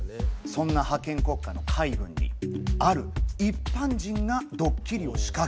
そんな覇権国家の海軍にある一般人がドッキリを仕掛けたんです。